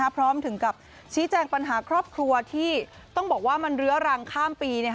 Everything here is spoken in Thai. พร้อมกับชี้แจงปัญหาครอบครัวที่ต้องบอกว่ามันเรื้อรังข้ามปี